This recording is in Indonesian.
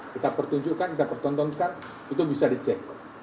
kita pertunjukkan kita pertontonkan itu bisa dicek